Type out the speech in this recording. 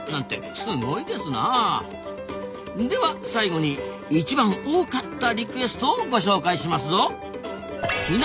では最後に一番多かったリクエストをご紹介しますぞ。